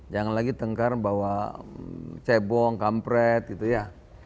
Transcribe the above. jangan lagi tengkar bawa cebong kampret gitu ya